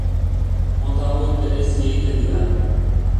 Mota hauek bereizi egiten dira.